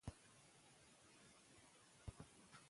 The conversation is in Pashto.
موږ باید د هغه آثار د خپلو ماشومانو لپاره تدریس کړو.